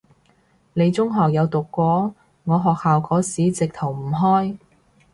你中學有讀過？我學校嗰時直頭唔開